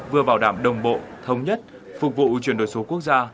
vừa vào đảm đồng bộ thống nhất phục vụ ưu truyền đổi số quốc gia